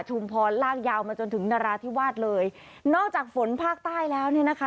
พรลากยาวมาจนถึงนราธิวาสเลยนอกจากฝนภาคใต้แล้วเนี่ยนะคะ